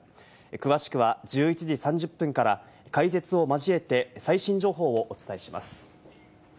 詳しくは１１時３０分から解説を交えて最新情報をお伝えします。